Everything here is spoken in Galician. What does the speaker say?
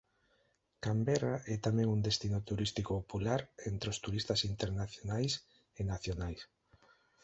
Camberra é tamén un destino turístico popular entre os turistas internacionais e nacionais.